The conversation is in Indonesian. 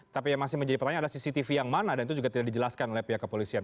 tapi yang masih menjadi pertanyaan adalah cctv yang mana dan itu juga tidak dijelaskan oleh pihak kepolisian